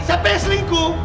siapa yang selingkuh